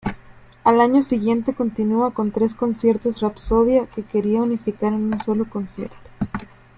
Al año siguiente continúa con "Tres conciertos-rapsodia" que quería unificar en un solo concierto.